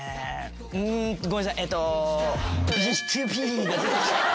うんごめんなさいえっと。